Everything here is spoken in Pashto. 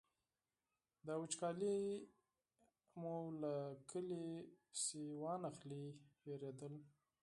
دا وچکالي مو له کلي پسې وانخلي وېرېدل.